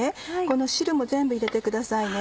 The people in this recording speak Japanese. この汁も全部入れてくださいね。